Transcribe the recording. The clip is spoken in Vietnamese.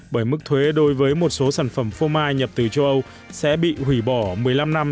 bởi mức thuế đối với một số sản phẩm phô mai nhập từ châu âu sẽ bị hủy bỏ một mươi năm năm